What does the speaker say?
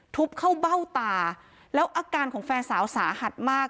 ทุบเข้าเบ้าตาแล้วอาการของแฟนสาวสาหัสมาก